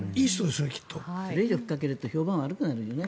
それ以上吹っ掛けると評判が悪くなるよね。